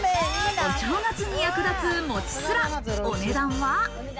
お正月に役立つモチスラ、お値段は？